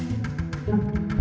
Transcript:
dia akan kesini